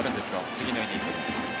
次のイニングの。